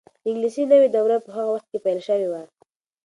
د انګلیسي نوې دوره په هغه وخت کې پیل شوې وه.